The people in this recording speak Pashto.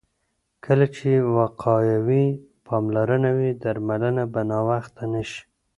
کله چې وقایوي پاملرنه وي، درملنه به ناوخته نه شي.